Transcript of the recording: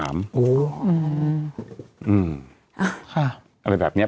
อะไรแบบนี้